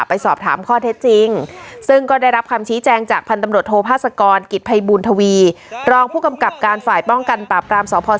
ไปสอบถามข้อเท็จจริงซึ่งก็ได้รับคำชี้แจงจากพันธมรถโทษภาษากร